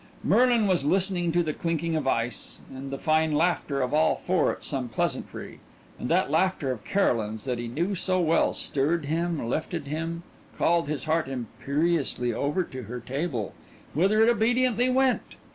Merlin was listening to the clinking of ice and the fine laughter of all four at some pleasantry and that laughter of Caroline's that he knew so well stirred him, lifted him, called his heart imperiously over to her table, whither it obediently went.